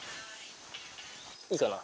いいかな？